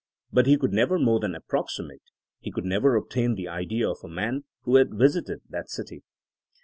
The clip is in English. But he could never more than approximate ; he could never obtain the idea of a man who had visited that city.